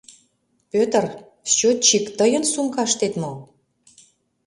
Пӧтыр, счётчик тыйын сумкаштет мо?